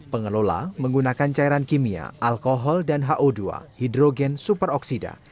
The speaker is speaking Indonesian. pengelola menggunakan cairan kimia alkohol dan ho dua hidrogen super oksida